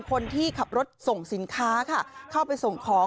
กลุ่มน้ำเบิร์ดเข้ามาร้านแล้ว